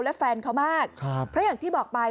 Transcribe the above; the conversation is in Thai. และแฟนเขามากเพราะอย่างที่บอกไป